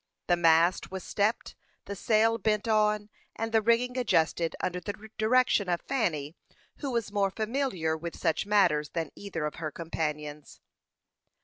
The mast was stepped, the sail bent on, and the rigging adjusted under the direction of Fanny, who was more familiar with such matters than either of her companions.